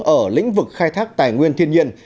ở lĩnh vực khai thác tài nguyên thiên nhiên